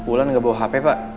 umlan gak bawa hp pak